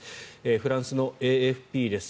フランスのＡＦＰです。